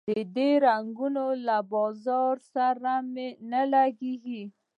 د دې رنګونو له بازار سره مي نه لګیږي